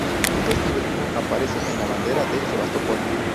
Este último aparece en la bandera de Sebastopol.